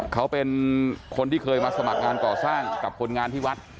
เขาเป็นคนที่เคยมาสมัครงานก่อสร้างกับคนงานที่วัด